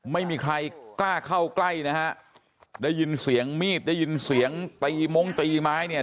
ไม่มีใครกล้าเข้าใกล้นะฮะได้ยินเสียงมีดได้ยินเสียงตีม้งตีไม้เนี่ย